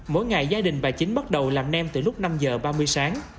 mỗi ngày gia đình bà chính bắt đầu làm nem từ lúc năm giờ ba mươi sáng